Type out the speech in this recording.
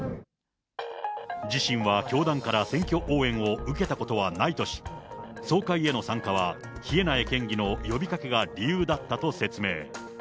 自身は教団から選挙応援を受けたことはないとし、総会への参加は、稗苗県議の呼びかけが理由だったと説明。